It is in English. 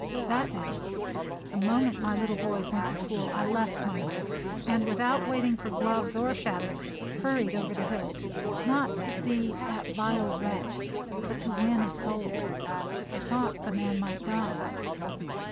That day, the moment my little boys went to school, I left my work, and, without waiting for gloves or shadows, hurried over the hills, not to see "that vile wretch," but to win a soul. I thought the man might die.